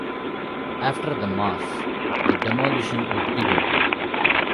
After the mass, the demolition would begin.